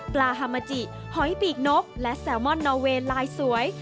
ปลาฮามาจิหอยปีกนกและแซลมอนน่อเวนไลน์สวย